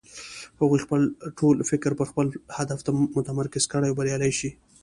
هغوی خپل ټول فکر پر خپل هدف متمرکز کړي او بريالی شي.